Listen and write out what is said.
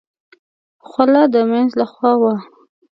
خوله د مينځ له خوا وه.